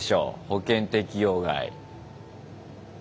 保険適用外。